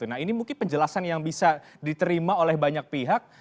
nah ini mungkin penjelasan yang bisa diterima oleh banyak pihak